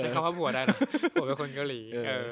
ใช้คำว่าผัวได้นะผัวเป็นคนเกาหลี